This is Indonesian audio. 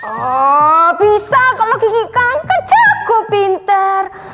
oh bisa kalau kiki kang kan jago pinter